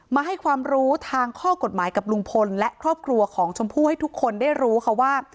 มาให้ความรู้ทางข้อกฎหมายกับลุงพลและครอบครัวของชมพู่ให้ทุกคนได้รู้ค่ะว่า